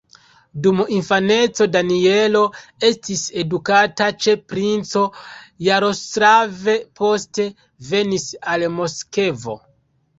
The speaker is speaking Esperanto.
Dum infaneco Danielo estis edukata ĉe princo Jaroslav, poste venis al Moskvo.